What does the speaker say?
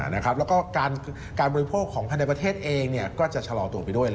แล้วก็การบริโภคของภายในประเทศเองก็จะชะลอตัวไปด้วย